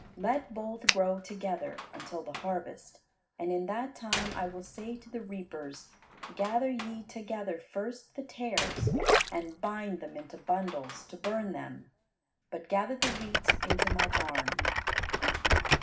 Let both grow together until the harvest, and in that time I will say to the reapers, 'Gather ye together first the tares and bind them into bundles to burn them, but gather the wheat into my barn.'"